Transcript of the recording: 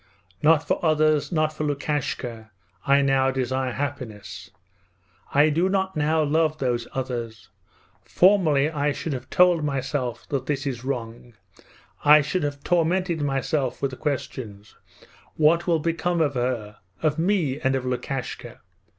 Not for others, not for Lukashka, I now desire happiness. I do not now love those others. Formerly I should have told myself that this is wrong. I should have tormented myself with the questions: What will become of her, of me, and of Lukashka?